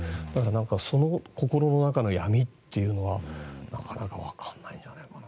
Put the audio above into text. だからその心の中の闇というのはなかなかわからないんじゃないかな。